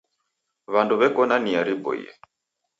W'andu w'eko na nia riboie.